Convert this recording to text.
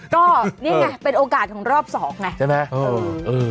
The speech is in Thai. ก็นี่ไงเป็นโอกาสของรอบ๒ไง